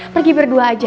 pergi berdua aja